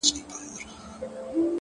• توتکۍ خبره راوړله پر شونډو ,